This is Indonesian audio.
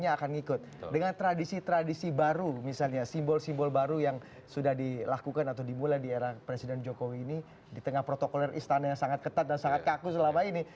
apakah itu yang dimulai di era presiden jokowi ini di tengah protokol yang istana yang sangat ketat dan sangat kaku selama ini